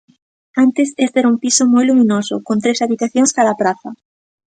Antes este era un piso moi luminoso, con tres habitacións cara á praza.